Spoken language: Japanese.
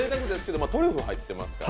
トリュフ入ってますから。